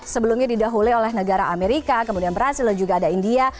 sebelumnya didahului oleh negara amerika kemudian brazil dan juga ada india